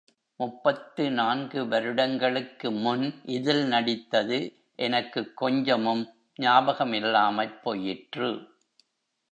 முப்பத்து நான்கு வருடங்களுக்கு முன் இதில் நடித்தது எனக்குக் கொஞ்சமும் ஞாபகமில்லாமற் போயிற்று.